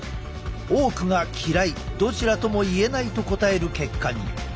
多くが嫌いどちらともいえないと答える結果に。